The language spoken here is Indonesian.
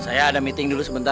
saya ada meeting dulu sebentar